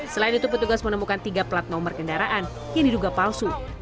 selain itu petugas menemukan tiga plat nomor kendaraan yang diduga palsu